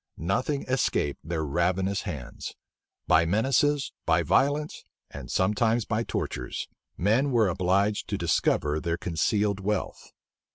Nothing escaped their ravenous hands: by menaces, by violence, and sometimes by tortures, men were obliged to discover their concealed wealth.